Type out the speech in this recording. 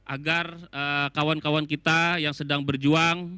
agar kawan kawan kita yang sedang berjuang